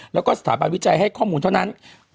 แล้วก็สถาบันวิจัยให้ข้อมูลเท่านั้น